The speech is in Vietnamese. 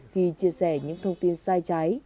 khi chia sẻ những thông tin sai trái